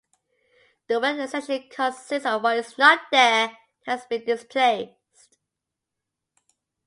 The work essentially consists of what is not there, what has been displaced.